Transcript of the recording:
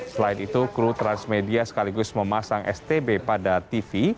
selain itu kru transmedia sekaligus memasang stb pada tv